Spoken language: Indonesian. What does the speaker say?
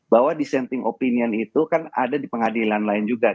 bahwa dissenting opinion itu kan ada di pengadilan lain juga